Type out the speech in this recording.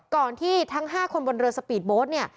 ก่อนที่ทั้ง๕คนบนเรือสปีดโบสต์